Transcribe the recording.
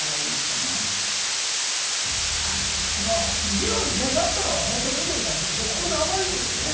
議論になったことは本当にいいことかもしれませんね。